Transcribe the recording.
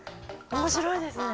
面白いですね。